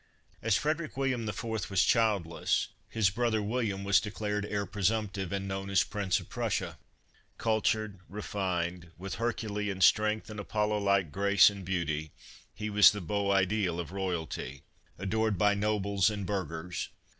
As Frederic William the Fourth was childless, his brother William was declared heir presumptive and known as Prince of Prussia. Cultured, refined, with Herculean strength and Apollo like grace and beauty, he was the beau ideal of royalty, adored by nobles and burghers.